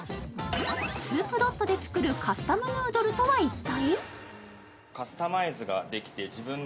スープＤＯＴで作るカスタムヌードルとは一体？